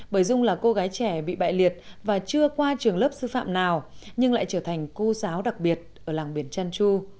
bởi dung là cô gái trẻ bị bại liệt và chưa qua trường lớp sư phạm nào nhưng lại trở thành cô giáo đặc biệt ở làng biển chăn chu